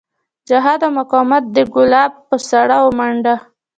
جهاد او مقاومت د کولاب په سوړه ومانډه.